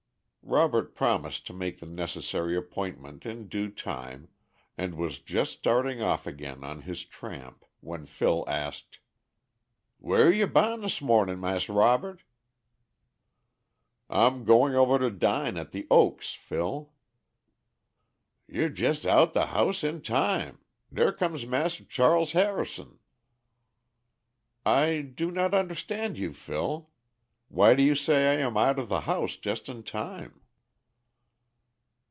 Robert promised to make the necessary appointment in due time, and was just starting off again on his tramp, when Phil asked: "Whare ye boun' dis mornin', Mas' Robert?" "I'm going over to dine at The Oaks, Phil." "Yer jest out de house in time. Dar comes Mas' Charles Harrison." "I do not understand you, Phil. Why do you say I am out of the house just in time?"